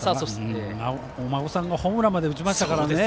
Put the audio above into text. お孫さんがホームランまで打ちましたからね。